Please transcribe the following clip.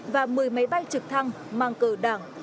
và một mươi máy bay trực thăng mang cờ đảng